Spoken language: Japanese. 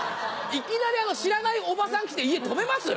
いきなり知らないおばさん来て家泊めます？